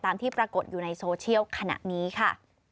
ที่ปรากฏอยู่ในโซเชียลขณะนี้ค่ะ